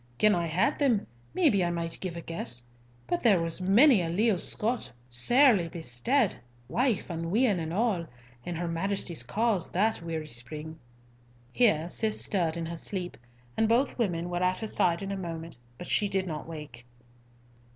Gin I had them, maybe I might give a guess, but there was mony a leal Scot sairly bestead, wife and wean and all, in her Majesty's cause that wearie spring." Here Cis stirred in her sleep, and both women were at her side in a moment, but she did not wake.